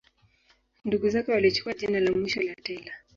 Ndugu zake walichukua jina la mwisho la Taylor.